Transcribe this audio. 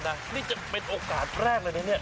คุณอโนไทจูจังขอแสดงความจริงกับผู้ที่ได้รับรางวัลครับ